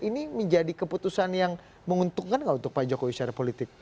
ini menjadi keputusan yang menguntungkan nggak untuk pak jokowi secara politik